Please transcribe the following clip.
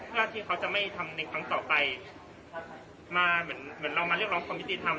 เพื่อที่เขาจะไม่ทำในครั้งต่อไปมาเหมือนเรามาเรียกร้องความพิธีทำ